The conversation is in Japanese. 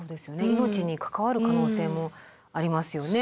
命に関わる可能性もありますよね。